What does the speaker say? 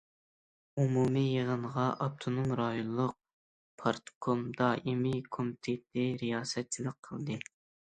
ئومۇمىي يىغىنغا ئاپتونوم رايونلۇق پارتكوم دائىمىي كومىتېتى رىياسەتچىلىك قىلدى.